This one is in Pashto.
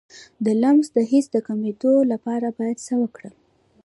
د لمس د حس د کمیدو لپاره باید څه وکړم؟